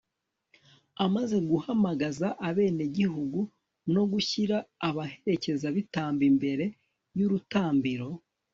amaze guhamagaza abenegihugu no gushyira abaherezabitambo imbere y'urutambiro